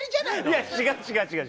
いや違う違う違う。